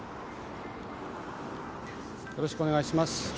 よろしくお願いします。